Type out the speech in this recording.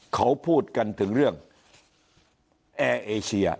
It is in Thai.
เขาพูดกันถึงเรื่องแอร์เอเชีย